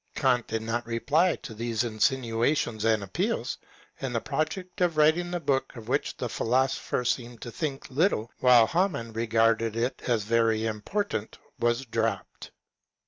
Kant did not reply to these insinuations and appeals, and the project of writing the book, of which the philosopher seemed to think little, while Hamann regarded it as very important, was dropped.